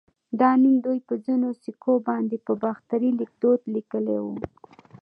دا نوم دوی په ځینو سکو باندې په باختري ليکدود لیکلی و